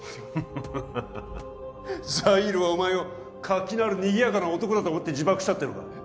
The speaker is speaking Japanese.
ハハハハハザイールはお前を活気のあるにぎやかな男だと思って自爆したっていうのか？